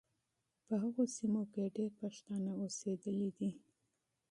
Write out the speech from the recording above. په هغو سیمو کې ډېر پښتانه اوسېدلي دي.